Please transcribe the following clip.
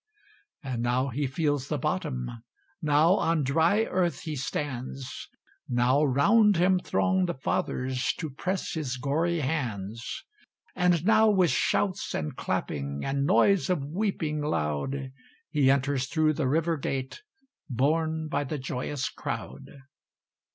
And now he feels the bottom; Now on dry earth he stands; Now round him throng the Fathers To press his gory hands; And now with shouts and clapping, And noise of weeping loud, He enters through the River Gate, Borne by the joyous crowd.